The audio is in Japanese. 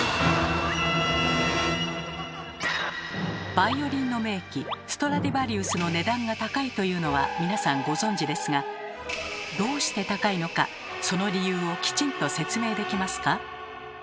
バイオリンの名器ストラディヴァリウスの値段が高いというのは皆さんご存じですがどうして高いのかその理由をきちんと説明できますか？